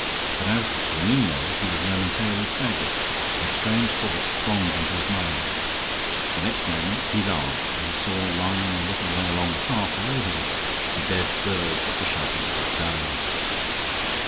But as to the meaning of it he was momentarily staggered, and strange thoughts thronged into his mind. The next moment he laughed; for he saw lying a little way along the path below him the dead bird that the shot had brought down.